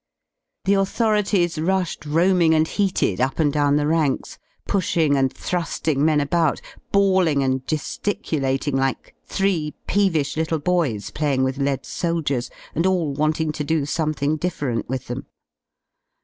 The authorities rushed oaming and heated up and down the ranks, pushing and 27 thru^ing men about, bawling and ge^iculating like three peevish little boys playing with lead soldiers, and all wanting to do something different with them.